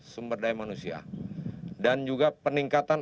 sumber daya manusia dan juga peningkatan